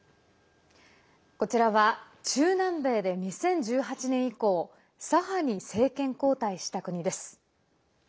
こちらは、中南米で２０１８年以降左派に政権交代した国です。